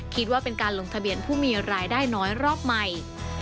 คิดว่าเป็นการลงทะเบียนผู้มีรายได้น้อยรอบใหม่